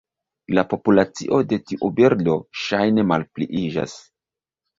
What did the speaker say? La populacio de tiu birdo ŝajne malpliiĝas.